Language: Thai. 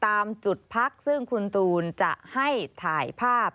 ตามจุดพักซึ่งคุณตูนจะให้ถ่ายภาพ